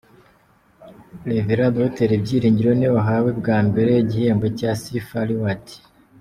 Rev Dr Byiringiro niwe wahawe bwa mbere igihembo cya Sifa Reward .